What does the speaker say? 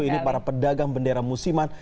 ini para pedagang bendera musiman